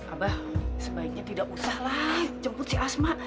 abah sebaiknya tidak usahlah jemput si asma